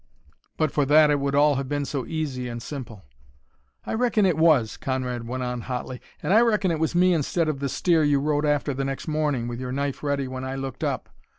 But for that it would all have been so easy and simple! "I reckon it was!" Conrad went on hotly. "And I reckon it was me instead of the steer you rode after the next morning, with your knife ready when I looked up.